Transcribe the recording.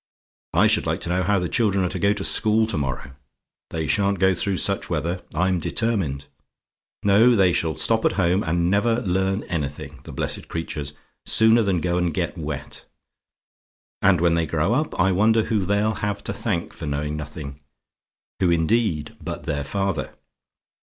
"I should like to know how the children are to go to school to morrow? They sha'n't go through such weather, I'm determined. No: they shall stop at home and never learn anything the blessed creatures! sooner than go and get wet. And when they grow up, I wonder who they'll have to thank for knowing nothing who, indeed, but their father?